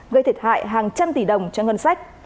gây thiệt hại hàng trăm tỷ đồng cho ngân sách